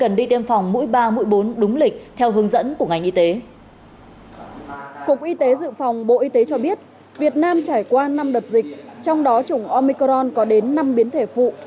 nhưng trải qua năm đợt dịch trong đó chủng omicron có đến năm biến thể phụ